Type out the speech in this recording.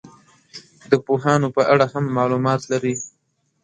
د پوهانو په اړه هم معلومات لري.